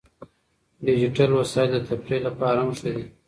ډیجیټل وسایل د تفریح لپاره هم ښه دي.